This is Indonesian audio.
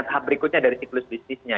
tahap berikutnya dari siklus bisnisnya